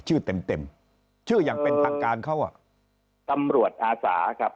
เต็มเต็มชื่ออย่างเป็นทางการเขาอ่ะตำรวจอาสาครับ